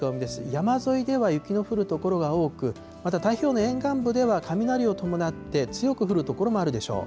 山沿いでは雪の降る所が多く、また太平洋の沿岸部では雷を伴って強く降る所もあるでしょう。